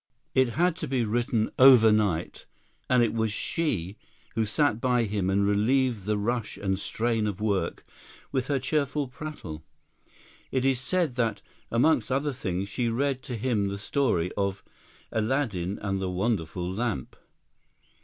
It had to be written overnight, and it was she who sat by him and relieved the rush and strain of work with her cheerful prattle. It is said that, among other things, she read to him the story of "Aladdin and the Wonderful Lamp."